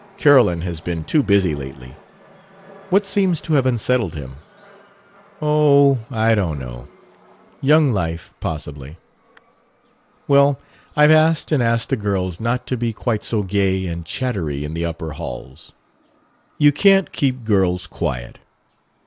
Carolyn has been too busy lately. What seems to have unsettled him?" "Oh, I don't know. Young life, possibly." "Well, I've asked and asked the girls not to be quite so gay and chattery in the upper halls." "You can't keep girls quiet."